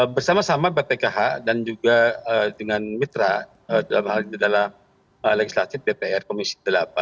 bersama sama bpkh dan juga dengan mitra dalam legislatif dpr komisi delapan